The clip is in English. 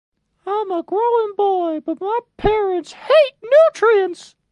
I'm a growing boy but my parents hate nutrients.